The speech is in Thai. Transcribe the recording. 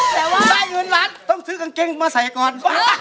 แต่ว่าได้เงินล้านต้องซื้อกางเกงมาใส่ก่อน